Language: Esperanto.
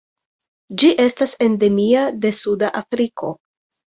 Ĝi estas endemia de suda Afriko.